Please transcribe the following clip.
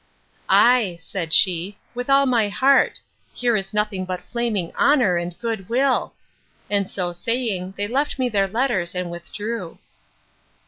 Ay, said she, with all my heart; here is nothing but flaming honour and good will! And so saying, they left me their letters and withdrew.